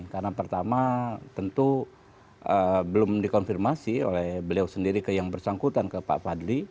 karena pertama tentu belum dikonfirmasi oleh beliau sendiri yang bersangkutan ke pak fadli